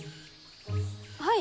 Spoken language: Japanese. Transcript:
はい？